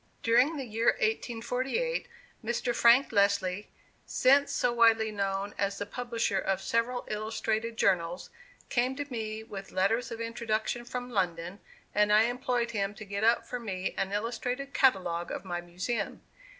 During the year 1848, Mr. Frank Leslie, since so widely known as the publisher of several illustrated journals, came to me with letters of introduction from London, and I employed him to get up for me an illustrated catalogue of my Museum.